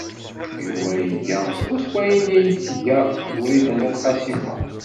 Yuba iga swaswa ayen ay tga Wrida n At Qasi Muḥ.